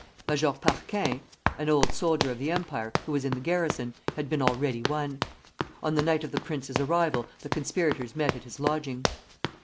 Major Parquin, an old soldier of the Empire, who was in the garrison, had been already won. On the night of the prince's arrival the conspirators met at his lodging.